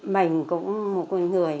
mình cũng một người